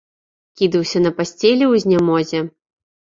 Кідаўся на пасцелі ў знямозе.